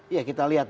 ya kita lihat